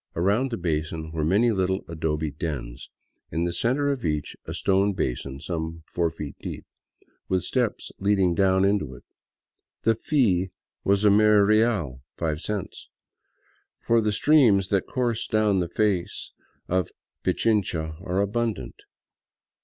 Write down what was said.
About the basin were many little adobe dens, in the center of each a stone basin some four feet deep, with steps leading down into it. The fee was a mere real (five cents), for the streams that course down the face of Pichincha are abundant.